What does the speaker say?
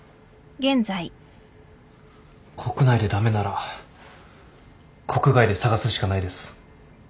国内で駄目なら国外で探すしかないです。